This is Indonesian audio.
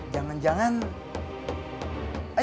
yang berdoa susah